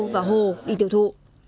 và hồ đi tiêu thụ